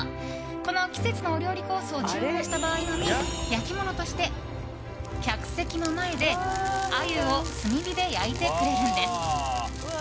この季節のお料理コースを注文した場合のみ焼き物として、客席の前でアユを炭火で焼いてくれるんです。